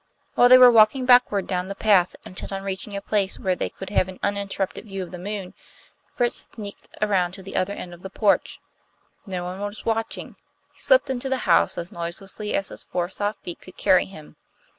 While they were walking backward down the path, intent on reaching a place where they could have an uninterrupted view of the moon, Fritz sneaked around to the other end of the porch. No one was watching. He slipped into the house as noiselessly as his four soft feet could carry him.